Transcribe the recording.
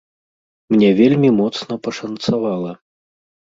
Мне вельмі моцна пашанцавала.